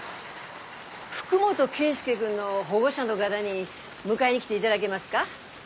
福本圭輔君の保護者の方に迎えに来ていただげますか？